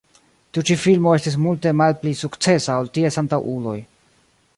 Tiu ĉi filmo estis multe malpli sukcesa ol ties antaŭuloj.